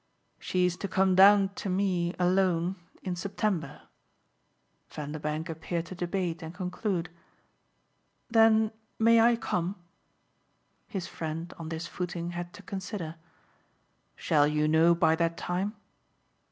"She's to come down to me alone in September." Vanderbank appeared to debate and conclude. "Then may I come?" His friend, on this footing, had to consider. "Shall you know by that time?"